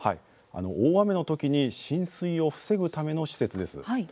大雨の時に浸水を防ぐための施設です。